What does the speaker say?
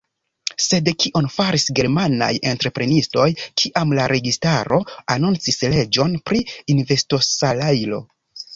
Sed kion faris germanaj entreprenistoj, kiam la registaro anoncis leĝon pri investosalajro?